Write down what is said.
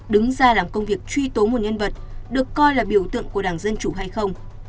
đứng ra làm công việc truy tố nguồn nhân vật được coi là biểu tượng của đảng dân chủ hay không